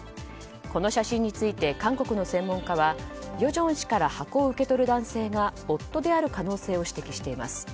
この写真について韓国の専門家は与正氏から箱を受け取る男性が夫である可能性を指摘しています。